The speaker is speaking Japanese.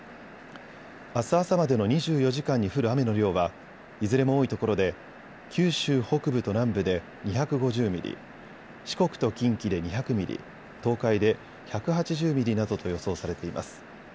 あす朝までの２４時間に降る雨の量はいずれも多いところで九州北部と南部で２５０ミリ、四国と近畿で２００ミリ、東海で１８０ミリなどと予想されています。